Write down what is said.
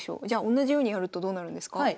じゃあおんなじようにやるとどうなるんですか？